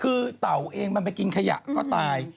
คือเต่าเองมันไปกินขยะก็ตาย